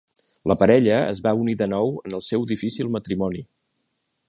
La parella es va unir de nou en el seu difícil matrimoni.